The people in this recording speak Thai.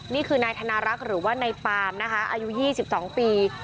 นี่คือนายธนารักษ์หรือว่านายปามนะคะอายุ๒๒ปี